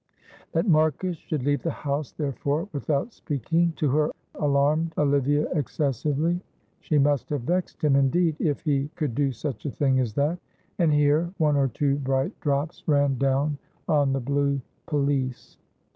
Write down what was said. That Marcus should leave the house therefore without speaking to her alarmed Olivia excessively. She must have vexed him, indeed, if he could do such a thing as that, and here one or two bright drops ran down on the blue pelisse.